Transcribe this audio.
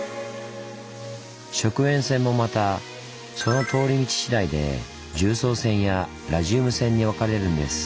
「食塩泉」もまたその通り道次第で「重曹泉」や「ラジウム泉」に分かれるんです。